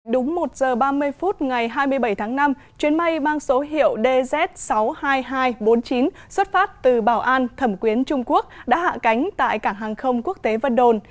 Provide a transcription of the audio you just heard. đúng một giờ ba mươi phút ngày hai mươi bảy tháng năm chuyến bay mang số hiệu dz sáu mươi hai nghìn hai trăm bốn mươi chín xuất phát từ bảo an thẩm quyến trung quốc đã hạ cánh tại cảng hàng không quốc tế vân đồn